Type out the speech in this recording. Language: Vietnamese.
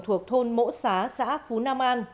thuộc thôn mỗ xá xã phú nam an